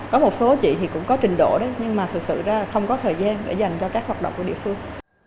có một số chị thì cũng có trình độ đấy nhưng mà thực sự ra là không có thời gian để dành cho các hoạt động của địa phương